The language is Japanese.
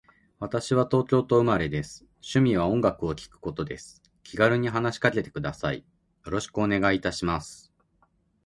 私は東京都生まれです。趣味は音楽を聴くことです。気軽に話しかけてください。よろしくお願いいたします。